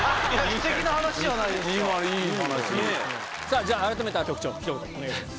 さぁじゃあ改めて局長一言お願いします。